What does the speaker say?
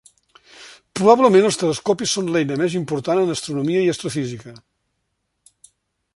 Probablement els telescopis són l'eina més important en astronomia i astrofísica.